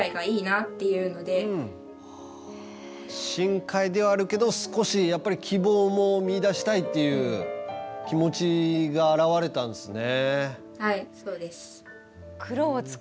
深海ではあるけど少しやっぱり希望も見いだしたいっていう気持ちがあらわれたんですね。